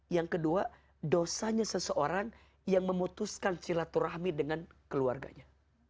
yang kedua dosanya seseorang yang memutuskan silaturahmi dengan keluarganya